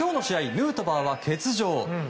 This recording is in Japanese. ヌートバーは欠場。